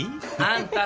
あんた！